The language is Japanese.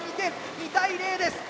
２対０です。